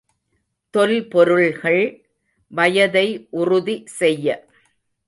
தொல்பொருள்கள் வயதை உறுதி செய்ய.